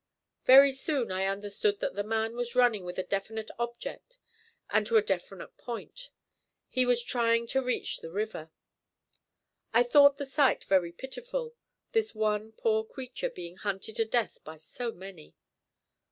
Very soon I understood that the man was running with a definite object and to a definite point; he was trying to reach the river. I thought the sight very pitiful, this one poor creature being hunted to death by so many.